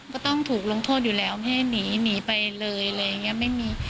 ก็ต้องถูกลงโทษอยู่แล้วไม่ให้หนีหนีไปเลยอะไรอย่างนี้ไม่มี